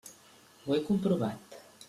Ho he comprovat.